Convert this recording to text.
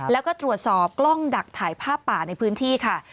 แล้วก็ตรวจสอบกล้องดักถ่ายภาพป่าในพื้นที่ค่ะ